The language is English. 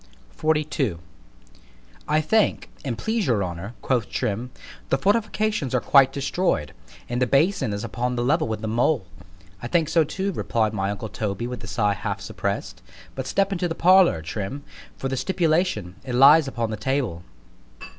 C H A P. XLII I THINK, an' please your honour, quoth Trim, the fortifications are quite destroyed——and the bason is upon a level with the mole——I think so too; replied my uncle Toby with a sigh half suppress'd——but step into the parlour, Trim, for the stipulation——it lies upon the table.